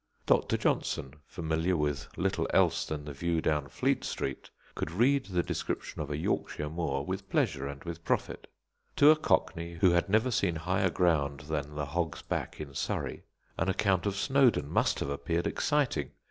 Dr. Johnson, familiar with little else than the view down Fleet Street, could read the description of a Yorkshire moor with pleasure and with profit. To a cockney who had never seen higher ground than the Hog's Back in Surrey, an account of Snowdon must have appeared exciting.